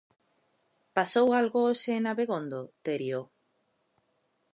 Pasou algo hoxe en Abegondo, Terio?